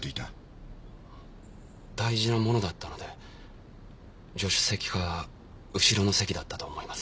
大事なものだったので助手席か後ろの席だったと思います。